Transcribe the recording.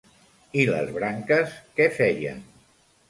I les branques què feien?